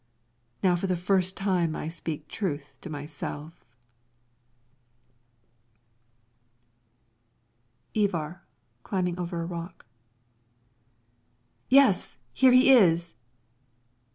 Now for the first time I speak truth to myself. Ivar [climbing' over a rock] Yes, here he is.